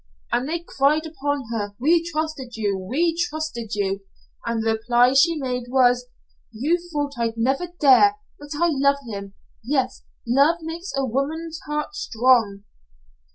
And they cried upon her: 'We trusted you. We trusted you.' And all the reply she made was: 'You thought I'd never dare, but I love him.' Yes, love makes a woman's heart strong.